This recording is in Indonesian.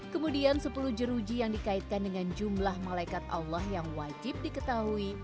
kemudian sepuluh jeruji yang dikaitkan dengan jumlah malaikat allah yang wajib diketahui